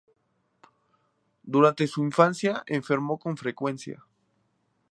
Durante su infancia enfermó con frecuencia.